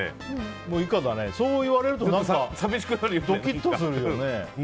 そう言われると何かドキッとするよね。